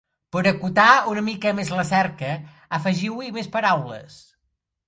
Per acotar una mica més la cerca, afegiu-hi més paraules.